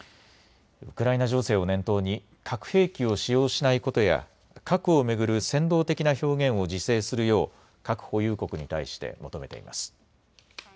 ウクライナ情勢を念頭に核兵器を使用しないことや核を巡る扇動的な表現を自制するよう核保有国に対して求めています。